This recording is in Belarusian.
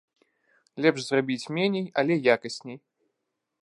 Лепш зрабіць меней, але якасней.